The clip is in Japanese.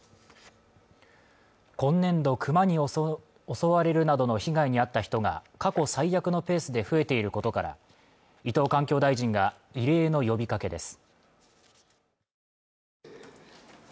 今年度クマに襲われるなどの被害に遭った人が過去最悪のペースで増えていることから伊藤環境大臣が異例の呼びかけです